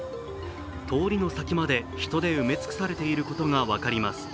通りの先まで人で埋め尽くされていることが分かります。